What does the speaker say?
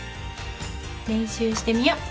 練習してみよっ。